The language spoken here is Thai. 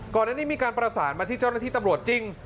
ก่อนหน้านี้มีการประสานมาที่เจ้าหน้าที่ตำรวจจริง